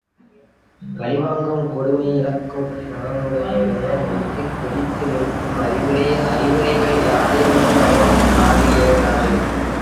பழிவாங்கும், கொடுமை இழைக்கும் மனமுடையோருடைய நெஞ்சு கொதித்து நிற்கும் அறவுரை அறிவுரைகள் யாதொன்றும் அவர்கள் காதில் ஏறாது.